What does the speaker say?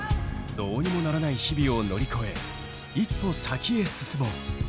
どうにもならない日々を乗り越え一歩先へ進もう。